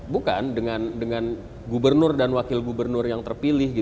bukan dengan gubernur dan wakil gubernur yang terpilih